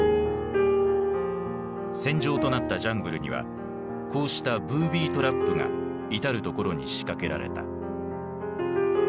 戦場となったジャングルにはこうした「ブービートラップ」が至る所に仕掛けられた。